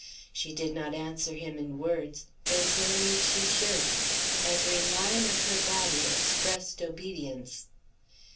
She did not answer him in words, there was no need she should, every line of her body expressed obedience.